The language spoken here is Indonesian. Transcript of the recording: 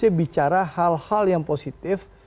saya bicara hal hal yang positif